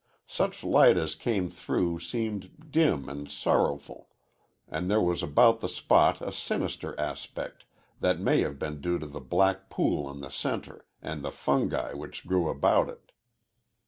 Such light as came through seemed dim and sorrowful, and there was about the spot a sinister aspect that may have been due to the black pool in the center and the fungi which grew about it.